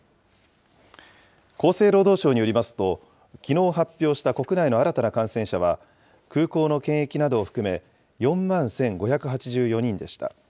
厚生労働省によりますと、きのう発表した国内の新たな感染者は、空港の検疫などを含め４万１５８４人でした。